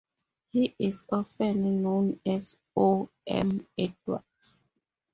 He is often known as O. M. Edwards.